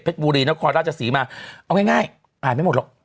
บุรีนครราชศรีมาเอาง่ายอ่านไม่หมดหรอก